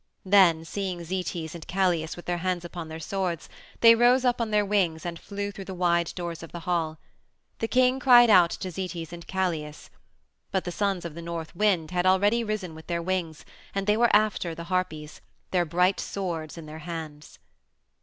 Then, seeing Zetes and Calais with their hands upon their swords, they rose up on their wings and flew through the wide doors of the hall. The king cried out to Zetes and Calais. But the sons of the North Wind had already risen with their wings, and they were after the Harpies, their bright swords in their hands.